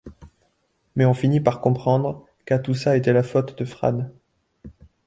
Mais on finit par comprendre qua tout ça était la faute de Fran.